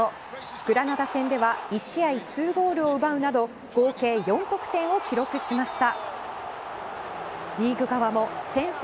グラナダ戦では１試合２ゴールを奪うなど合計４得点を記録しました。